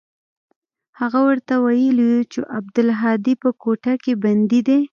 هغه ورته ويلي و چې عبدالهادي په کوټه کښې بندي دى.